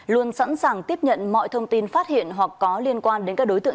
luôn sẵn sàng tiếp nhận mọi thông tin phát hiện hoặc có liên quan đến các đối tượng